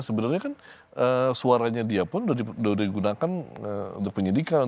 sebenarnya kan suaranya dia pun sudah digunakan untuk penyidikan